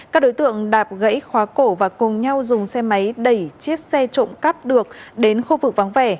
các đối tượng đạp gãy khóa cổ và cùng nhau dùng xe máy đẩy chiếc xe trộm cắp được đến khu vực vắng vẻ